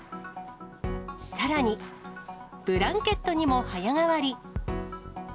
さらに、ブランケットにも早変わり。